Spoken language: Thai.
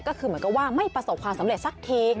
ก็คือเหมือนกับว่าไม่ประสบความสำเร็จสักที